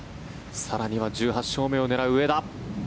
更には１８勝目を狙う上田。